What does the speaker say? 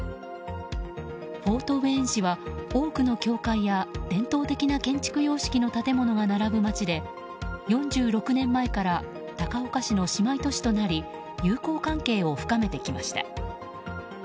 フォートウェーン市は多くの教会や伝統的な建築様式の建物が並ぶ街で４６年前から高岡市の姉妹都市となり友好関係を深めてきました。